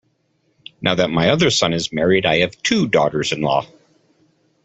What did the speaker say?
Now that my other son is married I have two daughters-in-law.